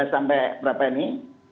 delapan belas sampai berapa ini